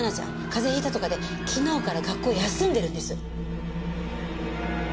風邪ひいたとかで昨日から学校を休んでるんです。